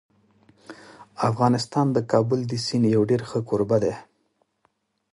افغانستان د کابل د سیند یو ډېر ښه کوربه دی.